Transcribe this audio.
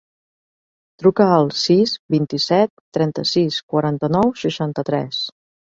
Truca al sis, vint-i-set, trenta-sis, quaranta-nou, seixanta-tres.